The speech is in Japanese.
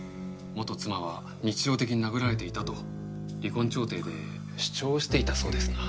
元妻は日常的に殴られていたと離婚調停で主張していたそうですが。